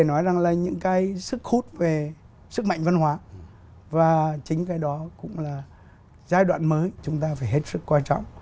nói rằng là những cái sức hút về sức mạnh văn hóa và chính cái đó cũng là giai đoạn mới chúng ta phải hết sức quan trọng